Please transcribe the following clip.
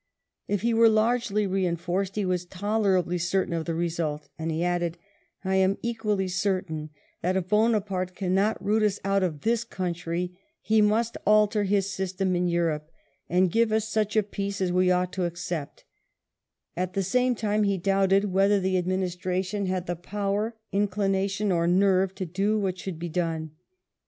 If he were largely reinforced, he was tolerably certain of the result; and, he added, "I am equally cer tain that if Bonaparte cannot root us out of this country, ho must alter his system in Europe, and give us such a peace as we ought to accept'' At the same time he doubted whether the administration had the power, inclination, or nerve to do what should be done.